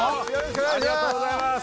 ありがとうございます。